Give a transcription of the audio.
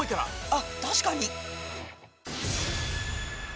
あっ確かに。